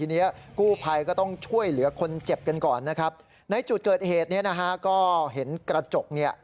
นี่เขาจะยิงจะฆ่ากันอยู่แล้วไม่รู้จะตายกี่ศพ